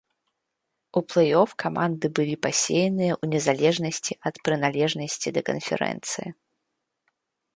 У плэй-оф каманды былі пасеяныя ў незалежнасці ад прыналежнасці да канферэнцыі.